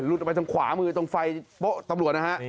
ออกไปทางขวามือตรงไฟโป๊ะตำรวจนะฮะ